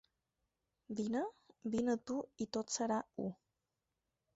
Vine? Vine tu i tot serà u.